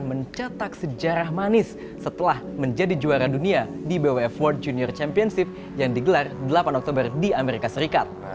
dan menambahkan sejarah manis setelah menjadi juara dunia di bwf world junior championship yang digelar delapan oktober di amerika serikat